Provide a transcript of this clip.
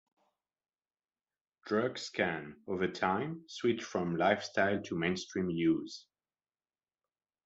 Drugs can, over time, switch from 'lifestyle' to 'mainstream' use.